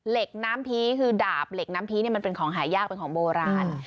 เหล็กน้ำพีคือดาบเหล็กน้ำพีเนี่ยมันเป็นของหายากเป็นของโบราณ